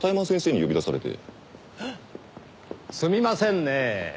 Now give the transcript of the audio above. すみませんねぇ。